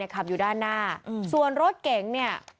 ขับอยู่ด้านหน้าส่วนรถเก๋งเนี่ย